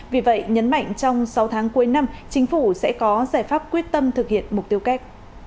vì vậy nhấn mạnh trong sáu tháng cuối năm chính phủ sẽ có giải pháp quyết tâm thực hiện mục tiêu kép